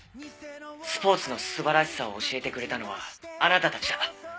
スポーツの素晴らしさを教えてくれたのはあなたたちだ。